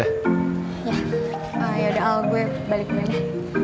yah yaudah al gue balik dulu